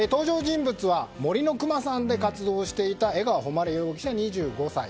森のくまさんで活動していた江川誉容疑者、２５歳。